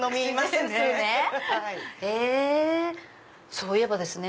そういえばですね